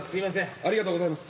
ありがとうございます。